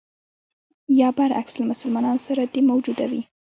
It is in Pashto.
یا برعکس له مسلمانانو سره دې موجوده وي.